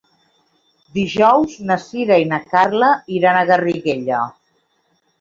Dijous na Sira i na Carla iran a Garriguella.